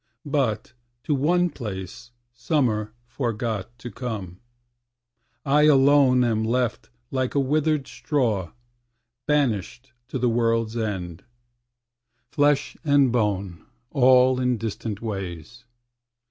But to one place Summer forgot to come; I alone am left like a withered straw ... Banished to the world's end; Flesh and bone all in distant ways.